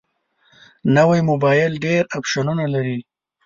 نوی موبایل ډېر اپشنونه لري